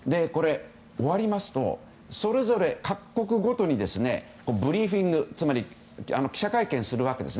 終わりますとそれぞれ各国ごとにブリーフィングつまり記者会見をします。